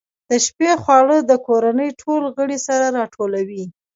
د شپې خواړه د کورنۍ ټول غړي سره راټولوي.